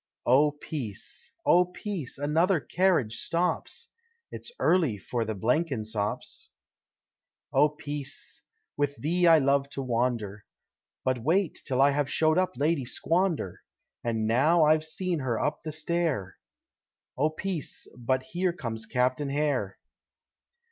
Oh Peace! oh Peace! another carriage stops It's early for the Blenkinsops. Oh Peace! with thee I love to wander, But wait till I have showed up Lady Squander, And now I've seen her up the stair, Oh Peace! but here comes Captain Hare.